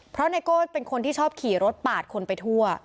เพราะไนโก้เป็นคนที่ชอบขี่รถปาดคนไปทั่ว